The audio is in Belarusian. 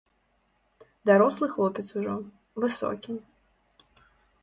Дарослы хлопец ужо, высокі.